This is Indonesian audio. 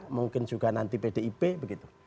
mungkin juga nanti pdip begitu